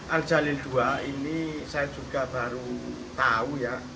al jalin ii ini saya juga baru tahu ya